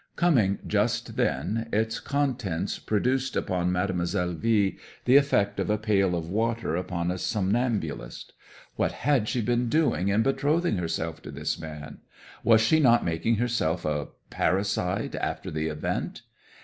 'Coming just then, its contents produced upon Mademoiselle V the effect of a pail of water upon a somnambulist. What had she been doing in betrothing herself to this man! Was she not making herself a parricide after the event?